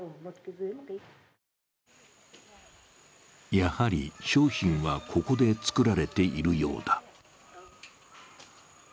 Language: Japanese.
やはり商品は、ここで作られているようだ。